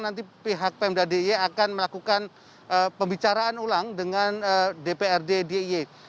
nanti pihak pemda d i e akan melakukan pembicaraan ulang dengan dprd d i e